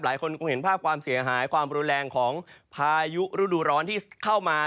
หลายคนคงเห็นภาพความเสียหายความรุนแรงของพายุฤดูร้อนที่เข้ามา